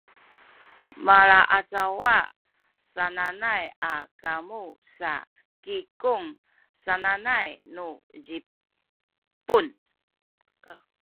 malaacawa sananay a kamu sa “kikung” sananay nu Zipun